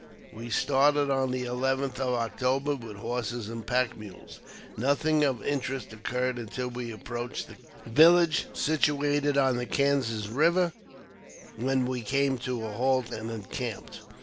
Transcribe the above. We started on the 11th of October with horses and pack mules. Nothing of interest occurred until we approached the Kansas village, situate on the Kansas Eiver, when we came to a halt and encamped.